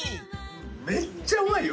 めっちゃうまいよ。